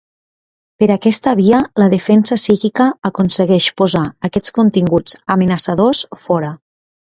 Per aquesta via, la defensa psíquica aconsegueix posar aquests continguts amenaçadors fora.